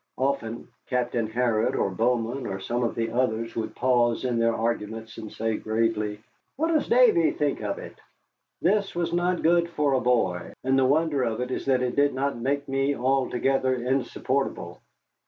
Often Captain Harrod or Bowman or some of the others would pause in their arguments and say gravely, "What does Davy think of it?" This was not good for a boy, and the wonder of it is that it did not make me altogether insupportable.